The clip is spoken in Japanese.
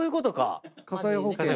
火災保険は？